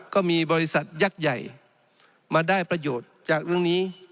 ก็มีบริษัทยักษ์ใหญ่มาได้ประโยชน์จากเรื่องนี้